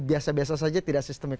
biasa biasa saja tidak sistemik